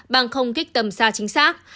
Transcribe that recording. bằng không kích tầm xa chính xác